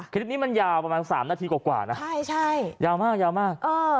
คลิปนี้มันยาวประมาณ๓นาทีกว่านะยาวมาก